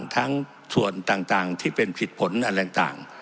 ทั้งส่วนต่างที่เป็นผิดผลอะไรต่าง